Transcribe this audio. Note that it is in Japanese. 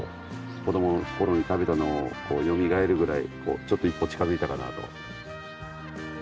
子供の頃に食べたのをよみがえるぐらいちょっと一歩近づいたかなと。